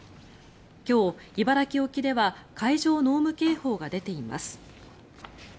今日、茨城沖では海上濃霧警報が出ています。